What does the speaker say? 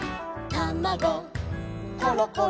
「たまごころころ」